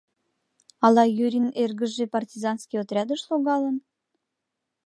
Ала Юрин эргыже партизанский отрядыш логалын?